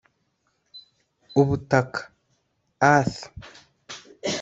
ubutaka (earth)